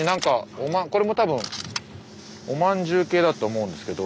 これも多分おまんじゅう系だと思うんですけど。